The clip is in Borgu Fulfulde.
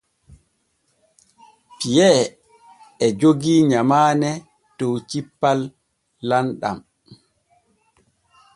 Piyee e jogii nyamaane dow cippal lamɗam.